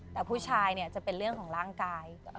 แต่ผู้ชายเนี่ยจะเป็นเรื่องของร่างกาย